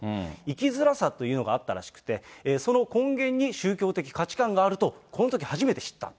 生きづらさというのがあったらしくて、その根源に宗教的価値観があると、このとき初めて知った。